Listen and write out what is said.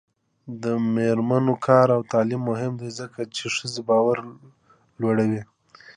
د میرمنو کار او تعلیم مهم دی ځکه چې ښځو باور لوړوي.